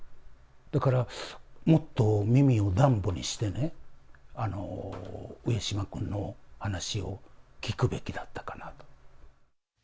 だから、もっと耳をダンボにしてね、上島君の話を聞くべきだったかなと。